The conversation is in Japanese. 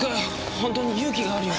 本当に勇気があるよ。